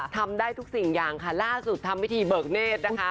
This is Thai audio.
ทำได้ทุกสิ่งอย่างค่ะล่าสุดทำพิธีเบิกเนธนะคะ